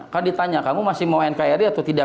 kan ditanya kamu masih mau nkri atau tidak